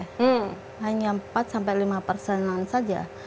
hanya empat lima an saja